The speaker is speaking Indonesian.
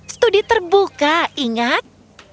studi terbuka ingat